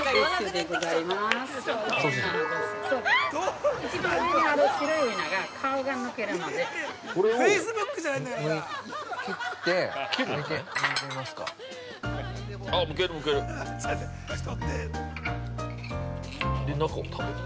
で、中を食べる。